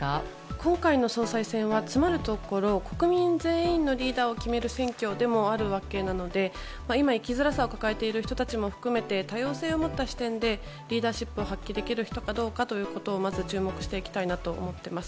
今回の総裁選はつまるところ国民全員のリーダーを決める選挙でもあるので今、生きづらさを抱えている人たちを含めて多様性を持った視点でリーダーシップを発揮できる人かどうかというところをまず注目していきたいなと思っています。